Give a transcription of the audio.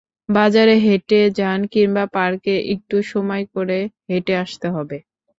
বাজারে হেঁটে যান কিংবা পার্কে একটু সময় করে হেঁটে আসতে হবে।